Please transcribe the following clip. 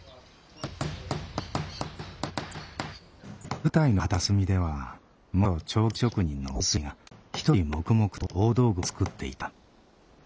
舞台の片隅では元彫金職人の臼井が一人黙々と大道具を作っていた。